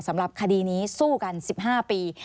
สำหรับคดีนี้สู้กัน๑๕ปี